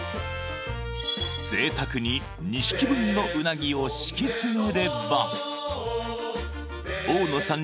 贅沢に２匹分のうなぎを敷き詰めれば大乃さん